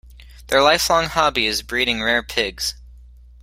Their lifelong hobby is breeding rare pigs.